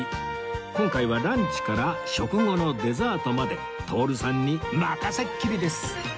今回はランチから食後のデザートまで徹さんに任せっきりです